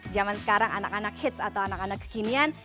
zaman sekarang anak anak hits atau anak anak kekinian